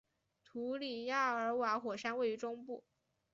图里亚尔瓦火山位于中部。